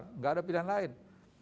tidak ada pilihan lain